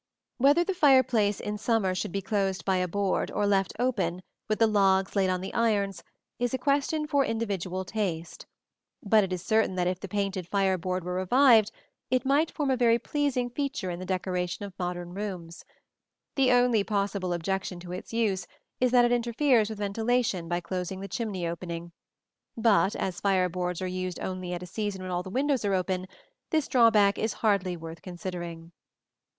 Whether the fireplace in summer should be closed by a board, or left open, with the logs laid on the irons, is a question for individual taste; but it is certain that if the painted fire board were revived, it might form a very pleasing feature in the decoration of modern rooms. The only possible objection to its use is that it interferes with ventilation by closing the chimney opening; but as fire boards are used only at a season when all the windows are open, this drawback is hardly worth considering.